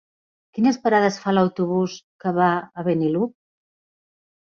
Quines parades fa l'autobús que va a Benillup?